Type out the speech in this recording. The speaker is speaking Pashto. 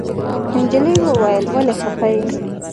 نجلۍ وويل ولې خپه يې.